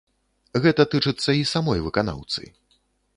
Гэта тычыцца і самой выканаўцы.